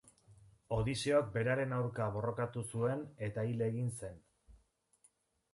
Odiseok beraren aurka borrokatu zuen eta hil egin zen.